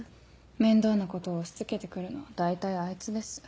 面倒なことを押し付けて来るのは大体あいつです。